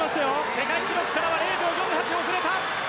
世界記録からは０秒４８遅れた。